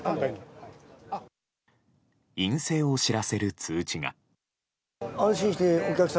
陰性を知らせる通知が。